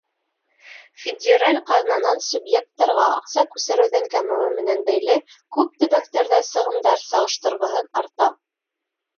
Федераль ҡаҙнанан субъекттарға аҡса күсереүҙең кәмеүе менән бәйле күп төбәктәрҙә сығымдар сағыштырғыһыҙ арта.